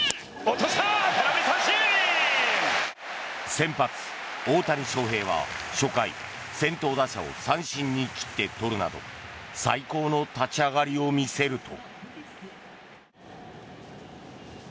先発、大谷翔平は初回先頭打者を三振に切って取るなど最高の立ち上がりを見せると。